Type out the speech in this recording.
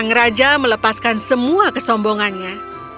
sang raja melepaskan semua kesombongannya